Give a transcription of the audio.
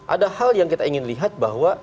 ada hal yang kita ingin lihat bahwa